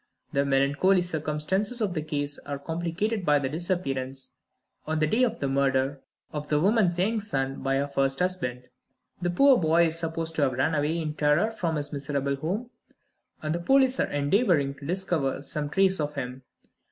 The melancholy circumstances of the case are complicated by the disappearance, on the day of the murder, of the woman's young son by her first husband. The poor boy is supposed to have run away in terror from his miserable home, and the police are endeavoring to discover some trace of him.